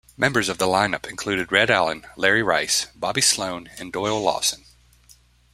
Members of the line-up included Red Allen, Larry Rice, Bobby Slone, and Doyle Lawson.